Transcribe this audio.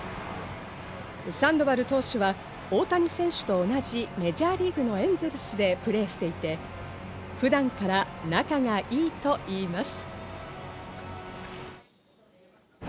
サンドバル投手は大谷選手と同じメジャーリーグのエンゼルスでプレーしていて普段から仲がいいといいます。